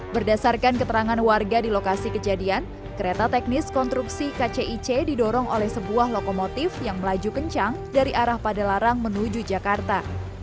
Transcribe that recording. berdasarkan keterangan warga di lokasi kejadian kereta teknis konstruksi kcic didorong oleh sebuah lokomotif yang melaju kencang dari arah padalarang menuju jakarta